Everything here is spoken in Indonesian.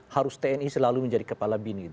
harus tni selalu menjadi kepala bin